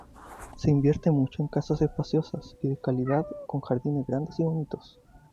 Se invierte mucho en casas espaciosas y de calidad con jardines grandes y bonitos.